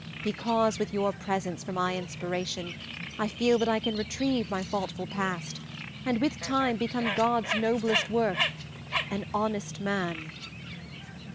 Because with your presence for my inspiration, I feel that I can retrieve my faultful past, and with time become God's noblest work an honest man.